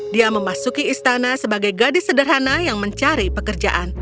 dia memasuki istana sebagai gadis sederhana yang mencari pekerjaan